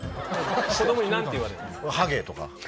子供に何て言われんの？